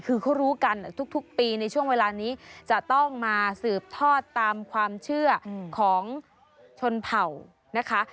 คือเขารู้กันทุกปีในช่วงเวลานี้จะต้องมาสืบทอดตามความเชื่อของชนเผ่านะคะ